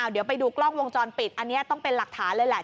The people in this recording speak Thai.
เดี๋ยวไปดูกล้องวงจรปิดอันนี้ต้องเป็นหลักฐานเลยแหละ